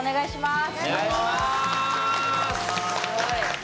すごい。